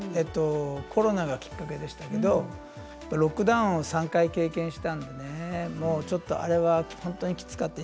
コロナがきっかけでしたけれどもロックダウンを３回経験したのであれは本当にきつかった。